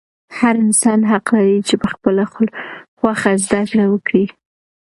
هر انسان حق لري چې په خپله خوښه زده کړه وکړي.